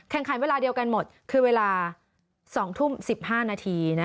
แข่งขันเวลาเดียวกันหมดคือเวลา๒ทุ่ม๑๕นาที